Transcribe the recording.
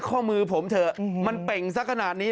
ข้อมือผมเถอะมันเป่งสักขนาดนี้